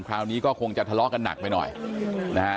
คราวนี้ก็คงจะทะเลาะกันหนักไปหน่อยนะฮะ